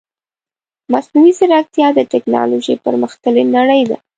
مصنوعي ځيرکتيا د تکنالوژي پرمختللې نړۍ ده .